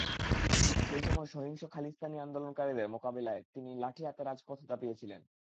সেই সময় সহিংস খালিস্তানি আন্দোলনকারীদের মোকাবিলায় তিনি লাঠি হাতে রাজপথ দাপিয়েছিলেন।